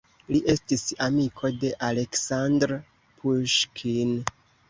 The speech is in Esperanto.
Li estis amiko de Aleksandr Puŝkin.